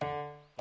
あ！